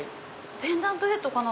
ペンダントヘッドかな？